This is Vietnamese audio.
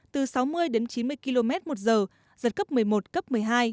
từ sáu mươi đến chín mươi km một giờ giật cấp một mươi một cấp một mươi hai